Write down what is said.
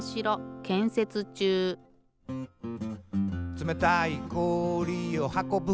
「つめたいこおりをはこぶ